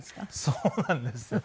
そうなんですよ。